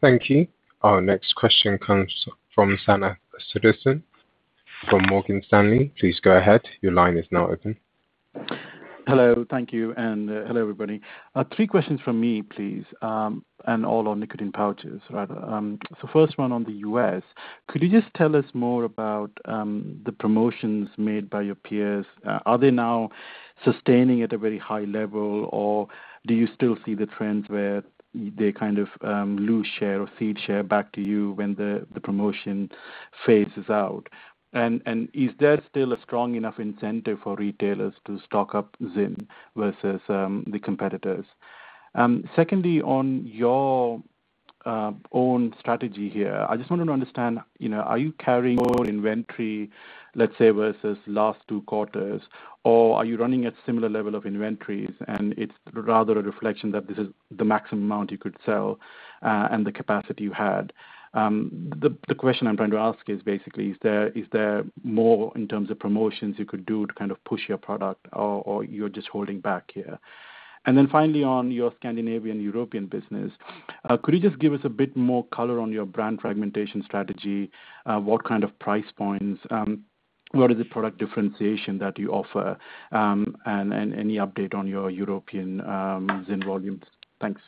[SPEAKER 4] Thank you. Our next question comes from Sanath Sudarsan from Morgan Stanley. Please go ahead. Your line is now open.
[SPEAKER 9] Hello. Thank you, and hello, everybody. Three questions from me, please, all on nicotine pouches, right? First one on the U.S. Could you just tell us more about the promotions made by your peers? Are they now sustaining at a very high level, or do you still see the trends where they kind of lose share or cede share back to you when the promotion phases out? Is there still a strong enough incentive for retailers to stock up ZYN versus the competitors? Secondly, on your own strategy here, I just wanted to understand, are you carrying more inventory, let's say, versus last two quarters? Are you running at similar level of inventories and it's rather a reflection that this is the maximum amount you could sell and the capacity you had? The question I'm trying to ask is basically, is there more in terms of promotions you could do to kind of push your product or you're just holding back here? Finally on your Scandinavian-European business, could you just give us a bit more color on your brand fragmentation strategy? What kind of price points? What is the product differentiation that you offer? Any update on your European ZYN volumes? Thanks.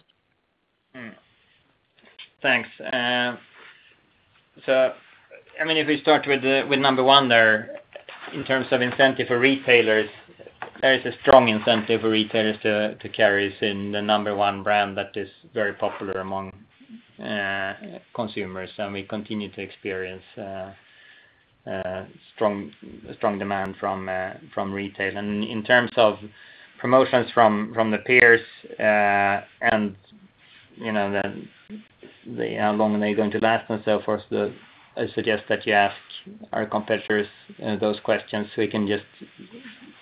[SPEAKER 2] Thanks. If we start with number one there, in terms of incentive for retailers, there is a strong incentive for retailers to carry ZYN, the number one brand that is very popular among consumers. We continue to experience strong demand from retail. In terms of promotions from the peers, and how long are they going to last and so forth, I suggest that you ask our competitors those questions. We can just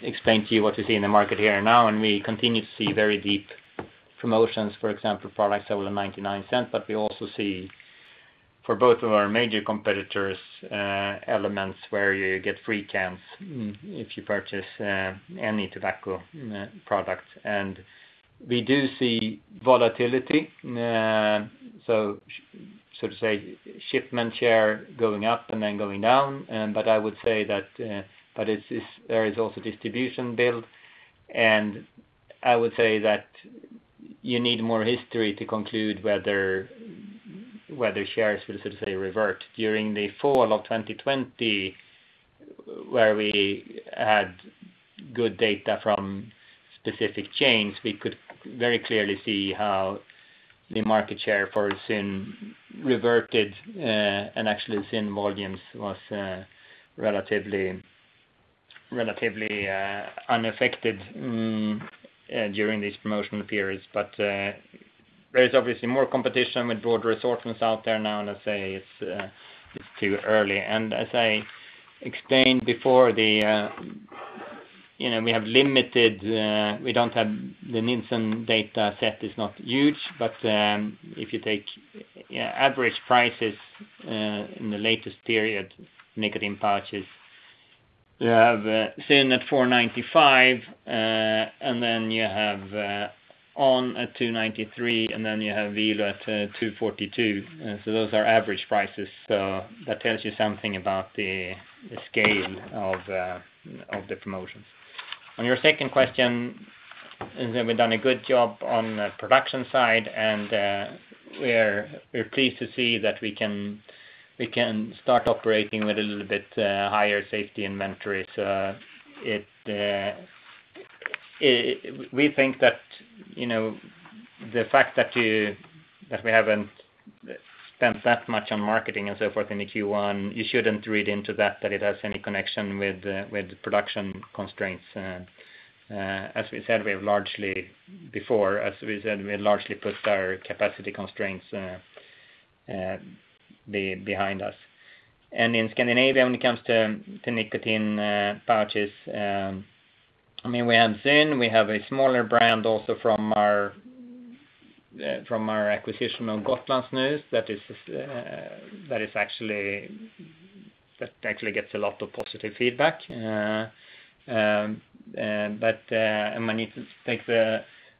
[SPEAKER 2] explain to you what we see in the market here and now, we continue to see very deep promotions, for example, products that were $0.99. We also see, for both of our major competitors, elements where you get free cans if you purchase any tobacco products. We do see volatility, so to say, shipment share going up and then going down. There is also distribution build, and I would say that you need more history to conclude whether shares will, so to say, revert. During the fall of 2020. Where we had good data from specific chains, we could very clearly see how the market share for ZYN reverted, and actually ZYN volumes was relatively unaffected during this promotional period. There is obviously more competition with broad assortments out there now, and I'd say it's too early. As I explained before, the Nielsen data set is not huge, but if you take average prices in the latest period, nicotine pouches, you have ZYN at 4.95, and then you have on! at 2.93, and then you have VELO at 2.42. Those are average prices. That tells you something about the scale of the promotions. On your second question is have we done a good job on the production side, and we're pleased to see that we can start operating with a little bit higher safety inventory. We think that the fact that we haven't spent that much on marketing and so forth in the Q1, you shouldn't read into that it has any connection with production constraints. As we said, we have largely before, as we said, we largely put our capacity constraints behind us. In Scandinavia, when it comes to nicotine pouches, we have ZYN, we have a smaller brand also from our acquisition of Gotlandssnus, that actually gets a lot of positive feedback. When you take the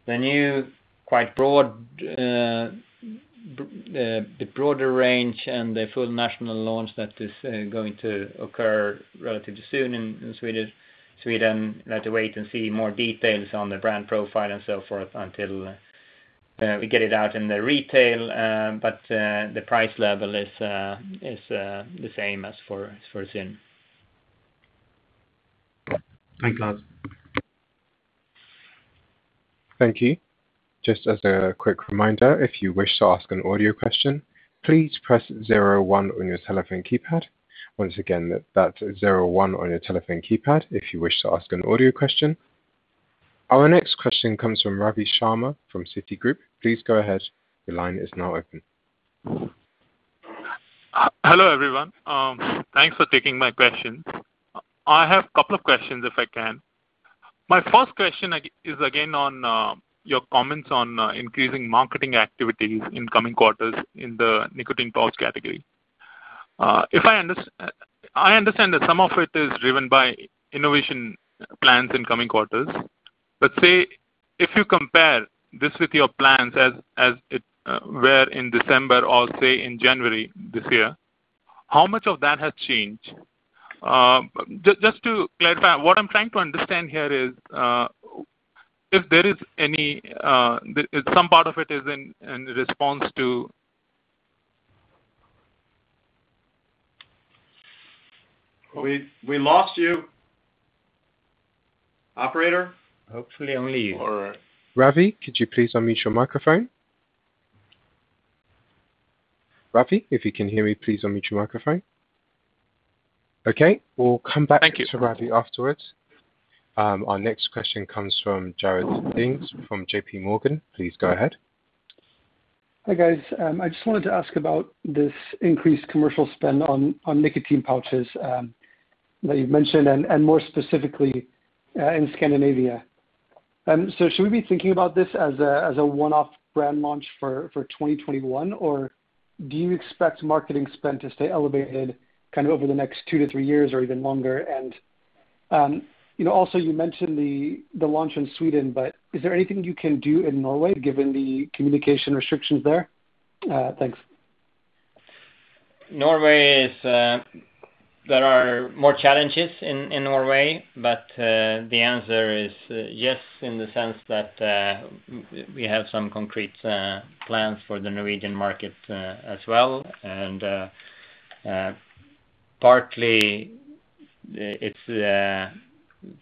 [SPEAKER 2] new quite broad, the broader range and the full national launch that is going to occur relatively soon in Sweden. We have to wait and see more details on the brand profile and so forth until we get it out in the retail. The price level is the same as for ZYN.
[SPEAKER 9] Thanks, Lars.
[SPEAKER 4] Thank you. Just as a quick reminder, if you wish to ask an audio question, please press zero one on your telephone keypad. Once again, that's zero one on your telephone keypad if you wish to ask an audio question. Our next question comes from Ravi Sharma from Citigroup. Please go ahead. Your line is now open.
[SPEAKER 10] Hello, everyone. Thanks for taking my questions. I have couple of questions if I can. My first question is again on your comments on increasing marketing activities in coming quarters in the nicotine pouch category. I understand that some of it is driven by innovation plans in coming quarters, but say, if you compare this with your plans as it were in December or say in January this year, how much of that has changed? Just to clarify, what I'm trying to understand here is if some part of it is in response to.
[SPEAKER 2] We lost you. Operator? Hopefully only you. All right.
[SPEAKER 4] Ravi, could you please unmute your microphone? Ravi, if you can hear me, please unmute your microphone. Okay. We'll come back.
[SPEAKER 2] Thank you.
[SPEAKER 4] To Ravi afterwards. Our next question comes from Jared Dinges from JPMorgan. Please go ahead.
[SPEAKER 11] Hi, guys. I just wanted to ask about this increased commercial spend on nicotine pouches, that you've mentioned, and more specifically in Scandinavia. Should we be thinking about this as a one-off brand launch for 2021, or do you expect marketing spend to stay elevated over the next two to three years or even longer? Also you mentioned the launch in Sweden, but is there anything you can do in Norway given the communication restrictions there? Thanks.
[SPEAKER 2] There are more challenges in Norway, but the answer is yes in the sense that we have some concrete plans for the Norwegian market as well. Partly it's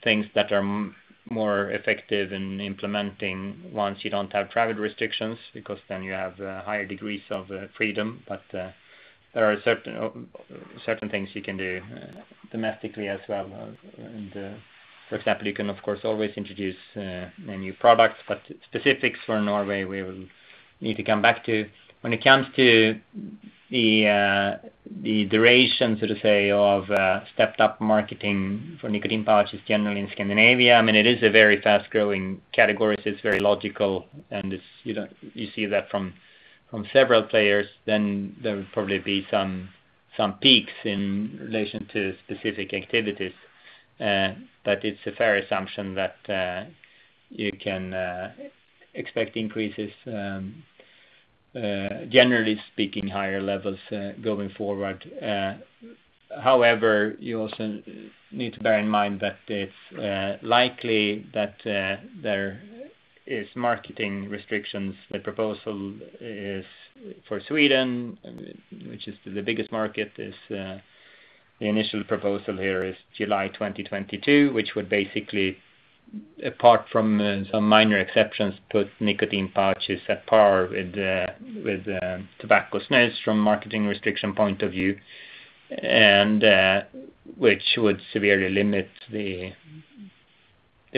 [SPEAKER 2] things that are more effective in implementing once you don't have private restrictions, because then you have higher degrees of freedom. There are certain things you can do domestically as well. For example, you can, of course, always introduce a new product, but specifics for Norway, we will need to come back to. When it comes to the duration, so to say, of stepped-up marketing for nicotine pouches generally in Scandinavia, it is a very fast-growing category, so it's very logical, and you see that from several players, then there would probably be some peaks in relation to specific activities. It's a fair assumption that you can expect increases, generally speaking, higher levels going forward. You also need to bear in mind that it's likely that there is marketing restrictions. The proposal is for Sweden, which is the biggest market, the initial proposal here is July 2022, which would basically, apart from some minor exceptions, put nicotine pouches at par with tobacco snus from a marketing restriction point of view, and which would severely limit the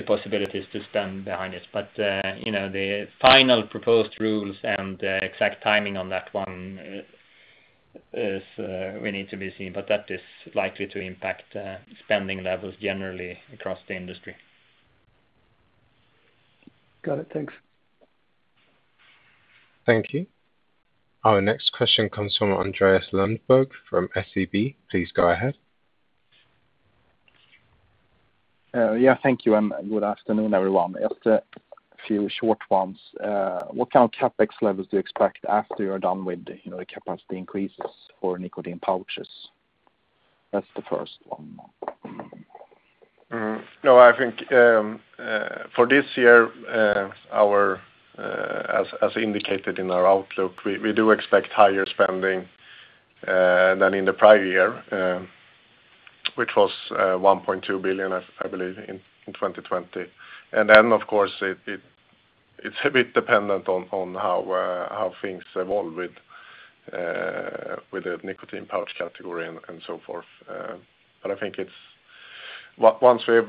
[SPEAKER 2] possibilities to stand behind it. The final proposed rules and the exact timing on that one is remaining to be seen, that is likely to impact spending levels generally across the industry.
[SPEAKER 11] Got it. Thanks.
[SPEAKER 4] Thank you. Our next question comes from Andreas Lundberg from SEB. Please go ahead.
[SPEAKER 12] Yeah. Thank you, and good afternoon, everyone. Just a few short ones. What kind of CapEx levels do you expect after you're done with the capacity increases for nicotine pouches? That's the first one.
[SPEAKER 3] I think for this year, as indicated in our outlook, we do expect higher spending than in the prior year, which was 1.2 billion, I believe, in 2020. Of course, it's a bit dependent on how things evolve with the nicotine pouch category and so forth. I think once we've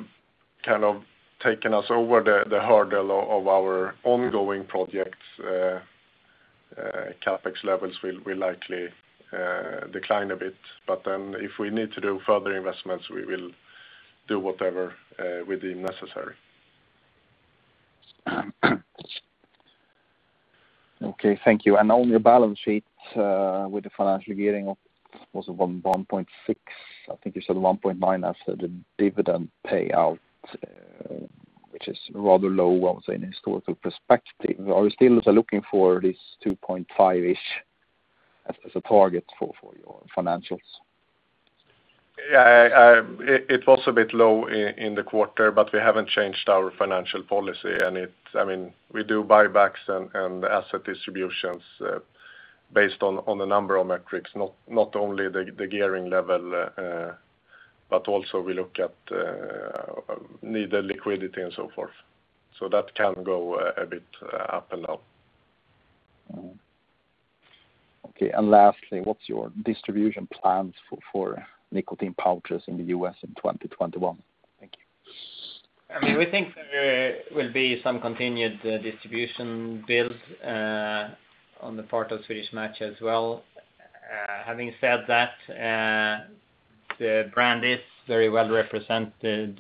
[SPEAKER 3] kind of taken us over the hurdle of our ongoing projects, CapEx levels will likely decline a bit. If we need to do further investments, we will do whatever we deem necessary.
[SPEAKER 12] Okay. Thank you. On your balance sheet, with the financial gearing of, it was 1.6, I think you said 1.9 as the dividend payout, which is rather low, I would say, in historical perspective. Are we still looking for this 2.5-ish as a target for your financials?
[SPEAKER 3] Yeah. It was a bit low in the quarter, but we haven't changed our financial policy. We do buybacks and asset distributions based on a number of metrics, not only the gearing level, but also we look at needed liquidity and so forth. That can go a bit up and down.
[SPEAKER 12] Okay. Lastly, what's your distribution plans for nicotine pouches in the U.S. in 2021? Thank you.
[SPEAKER 2] We think there will be some continued distribution build on the part of Swedish Match as well. Having said that, the brand is very well represented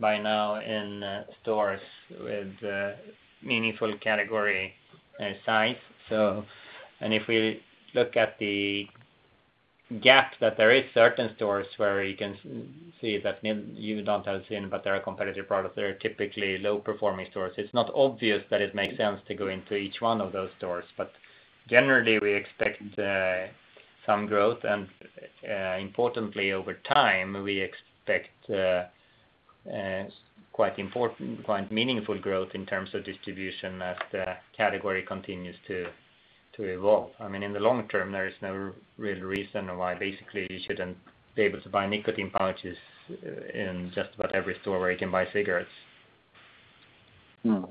[SPEAKER 2] by now in stores with a meaningful category size. If we look at the gap that there is certain stores where you can see that you don't have ZYN, but there are competitive products that are typically low-performing stores, it's not obvious that it makes sense to go into each one of those stores. Generally, we expect some growth, and importantly, over time, we expect quite meaningful growth in terms of distribution as the category continues to evolve. In the long term, there is no real reason why basically you shouldn't be able to buy nicotine pouches in just about every store where you can buy cigarettes.
[SPEAKER 12] Mm-hmm.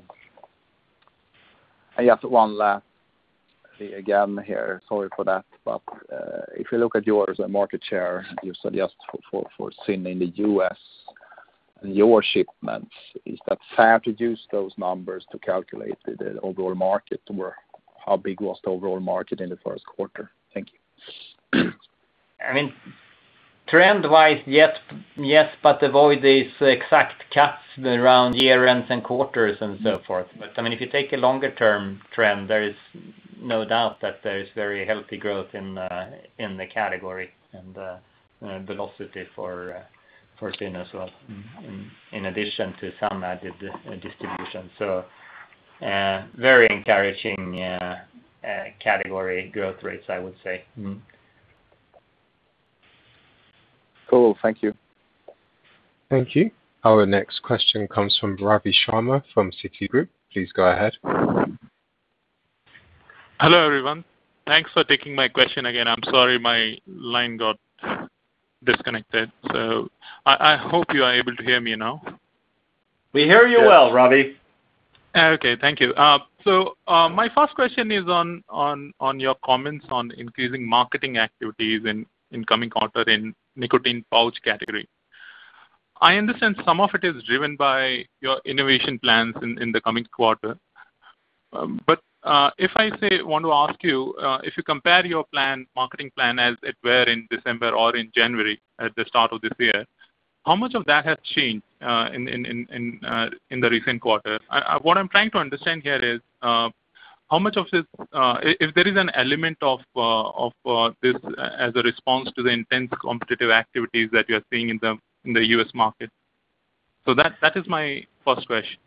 [SPEAKER 12] I just one last again here, sorry for that, if you look at your market share, you suggest for ZYN in the U.S. and your shipments, is that fair to use those numbers to calculate the overall market, or how big was the overall market in the first quarter? Thank you.
[SPEAKER 2] Trend-wise, yes, avoid these exact cuts around year-ends and quarters and so forth. If you take a longer-term trend, there is no doubt that there is very healthy growth in the category and velocity for ZYN as well, in addition to some added distribution. Very encouraging category growth rates, I would say.
[SPEAKER 12] Cool. Thank you.
[SPEAKER 4] Thank you. Our next question comes from Ravi Sharma from Citigroup. Please go ahead.
[SPEAKER 10] Hello, everyone. Thanks for taking my question again. I'm sorry my line got disconnected. I hope you are able to hear me now.
[SPEAKER 1] We hear you well, Ravi.
[SPEAKER 10] Okay. Thank you. My first question is on your comments on increasing marketing activities in the coming quarter in the nicotine pouch category. I understand some of it is driven by your innovation plans in the coming quarter. If I want to ask you, if you compare your marketing plan as it were in December or in January at the start of this year, how much of that has changed in the recent quarter? What I'm trying to understand here is, if there is an element of this as a response to the intense competitive activities that you're seeing in the U.S. market. That is my first question.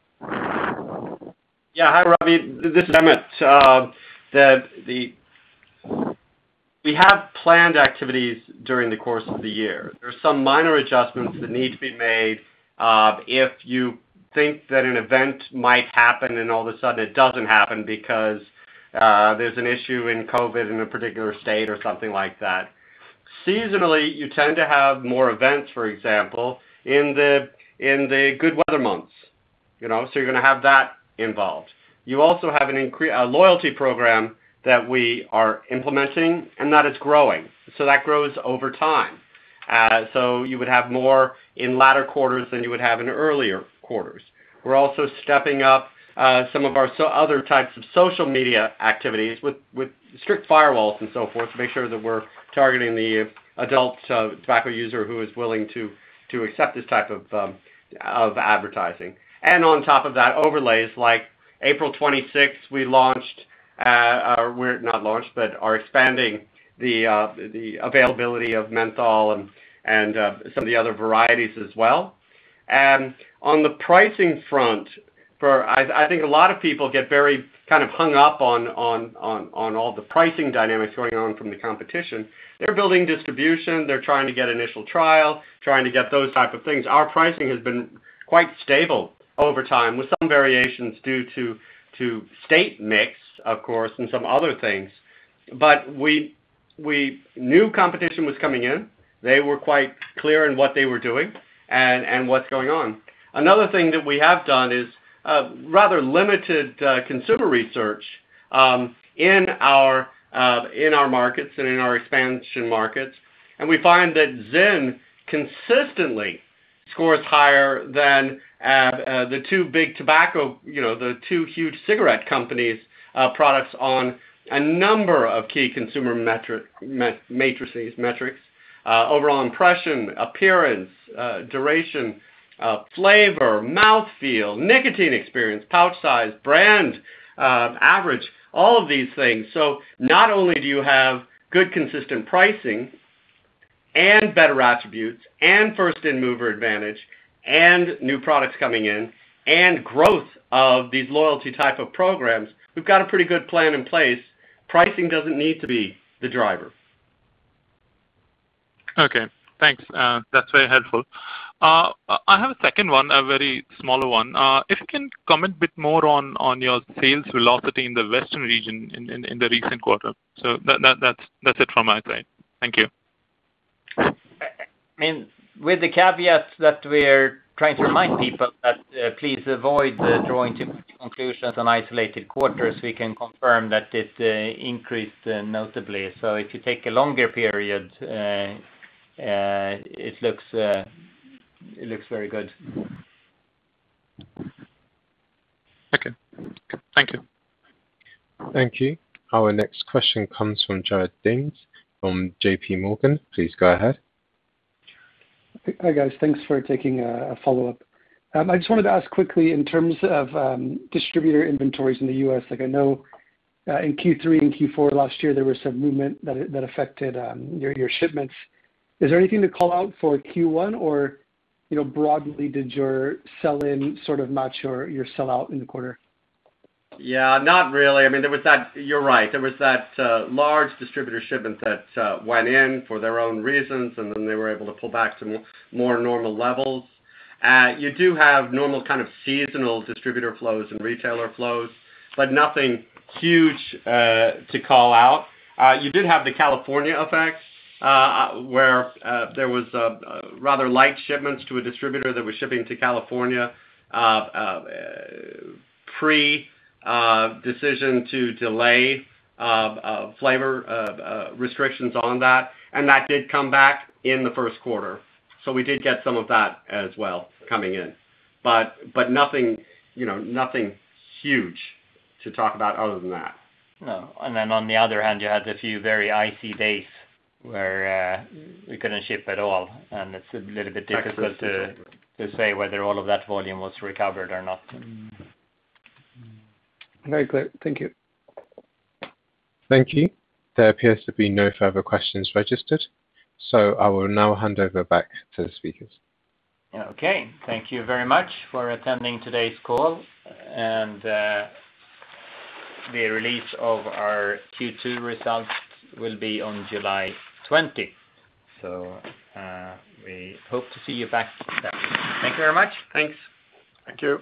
[SPEAKER 1] Yeah. Hi, Ravi. This is Emmett. We have planned activities during the course of the year. There's some minor adjustments that need to be made if you think that an event might happen and all of a sudden it doesn't happen because there's an issue in COVID in a particular state or something like that. Seasonally, you tend to have more events, for example, in the good weather months. You're going to have that involved. You also have a loyalty program that we are implementing and that is growing. That grows over time. You would have more in latter quarters than you would have in earlier quarters. We're also stepping up some of our other types of social media activities with strict firewalls and so forth to make sure that we're targeting the adult tobacco user who is willing to accept this type of advertising. On top of that, overlays like April 26th, we are expanding the availability of menthol and some of the other varieties as well. On the pricing front, I think a lot of people get very hung up on all the pricing dynamics going on from the competition. They're building distribution. They're trying to get initial trial, trying to get those type of things. Our pricing has been quite stable over time, with some variations due to state mix, of course, and some other things. We knew competition was coming in. They were quite clear in what they were doing and what's going on. Another thing that we have done is rather limited consumer research in our markets and in our expansion markets. We find that ZYN consistently scores higher than the two big tobacco, the two huge cigarette companies' products on a number of key consumer metrics, overall impression, appearance, duration, flavor, mouthfeel, nicotine experience, pouch size, brand, average, all of these things. Not only do you have good consistent pricing and better attributes and first mover advantage and new products coming in and growth of these loyalty type of programs, we've got a pretty good plan in place. Pricing doesn't need to be the driver.
[SPEAKER 10] Okay, thanks. That's very helpful. I have a second one, a very small one. If you can comment a bit more on your sales velocity in the western region in the recent quarter. That's it from my side. Thank you.
[SPEAKER 2] With the caveat that we're trying to remind people that please avoid drawing too many conclusions on isolated quarters, we can confirm that it increased notably. If you take a longer period, it looks very good.
[SPEAKER 10] Okay. Thank you.
[SPEAKER 4] Thank you. Our next question comes from Jared Dinges from JPMorgan. Please go ahead.
[SPEAKER 11] Hi, guys. Thanks for taking a follow-up. I just wanted to ask quickly in terms of distributor inventories in the U.S., like I know in Q3 and Q4 last year, there was some movement that affected your shipments. Is there anything to call out for Q1 or broadly, did your sell-in sort of match your sell-out in the quarter?
[SPEAKER 1] Not really. You're right. There was that large distributor shipment that went in for their own reasons, and then they were able to pull back to more normal levels. You do have normal kind of seasonal distributor flows and retailer flows, but nothing huge to call out. You did have the California effect, where there was rather light shipments to a distributor that was shipping to California pre-decision to delay flavor restrictions on that, and that did come back in the first quarter. We did get some of that as well coming in. Nothing huge to talk about other than that.
[SPEAKER 2] No. On the other hand, you had a few very icy days where we couldn't ship at all, and it's a little bit difficult to say whether all of that volume was recovered or not.
[SPEAKER 11] Very clear. Thank you.
[SPEAKER 4] Thank you. There appears to be no further questions registered, so I will now hand over back to the speakers.
[SPEAKER 2] Okay. Thank you very much for attending today's call. The release of our Q2 results will be on July 20th. We hope to see you back then. Thank you very much.
[SPEAKER 3] Thanks.
[SPEAKER 1] Thank you